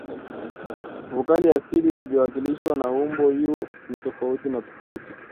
vokali asili zinazowakilishwa na umbo "u" ni tofauti tofauti